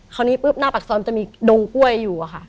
คราวนี้ปุ๊บหน้าปากซอยมันจะมีดงกล้วยอยู่อะค่ะ